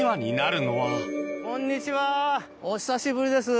どうもお久しぶりです。